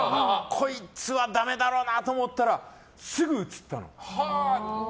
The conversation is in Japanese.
こいつはダメだろうなと思ったらすぐ移ったの。